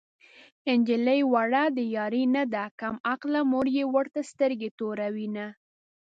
نجلۍ وړه د يارۍ نه ده کم عقله مور يې ورته سترګې توروينه